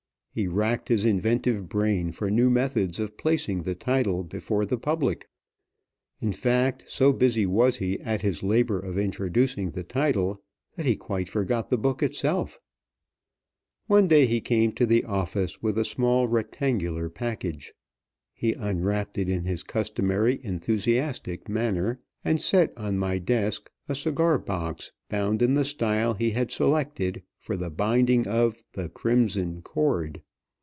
He racked his inventive brain for new methods of placing the title before the public. In fact, so busy was he at his labor of introducing the title, that he quite forgot the book itself. One day he came to the office with a small rectangular package. He unwrapped it in his customary enthusiastic manner, and set on my desk a cigar box bound in the style he had selected for the binding of "The Crimson Cord."